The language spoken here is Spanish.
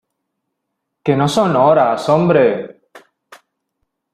que no son horas, hombre.